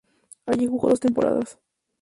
Allí jugó dos temporadas.